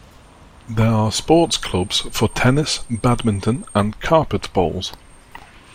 There are sports clubs for tennis, badminton and carpet bowls.